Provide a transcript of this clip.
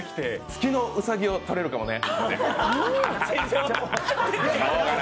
月のうさぎを撮れるかもね。